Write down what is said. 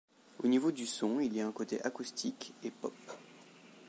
Au niveau du son, il y a un côté acoustique et pop.